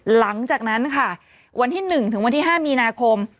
หลังจากนั้นค่ะวันที่๑ถึงวันที่๕มีนาคม